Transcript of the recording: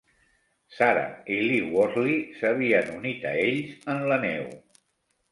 Sarah i Lee-Wortley s'havien unit a ells en la neu.